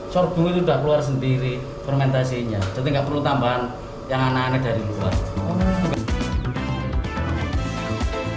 sorghum itu sudah keluar sendiri fermentasinya jadi nggak perlu tambahan yang anak anak dari luar